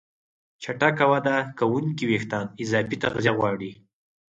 چټک وده کوونکي وېښتيان اضافي تغذیه غواړي.